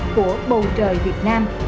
của bầu trời việt nam